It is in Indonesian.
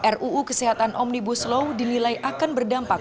ruu kesehatan omnibus law dinilai akan berdampak